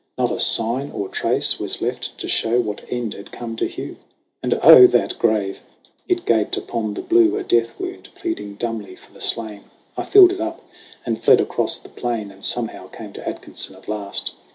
Not a sign or trace Was left to show what end had come to Hugh. And oh that grave ! It gaped upon the blue, A death wound pleading dumbly for the slain. I filled it up and fled across the plain, And somehow came to Atkinson at last.